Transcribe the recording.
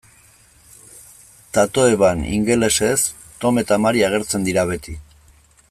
Tatoeban, ingelesez, Tom eta Mary agertzen dira beti.